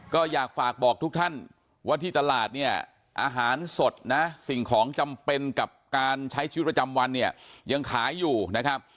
ก็อยากฝากบอกทุกท่านว่าที่ตลาดเนี่ยอาหารสดนะสิ่งของจำเป็นกับการใช้ชีวิตประจำวันเนี่ยยังขายอยู่นะครับ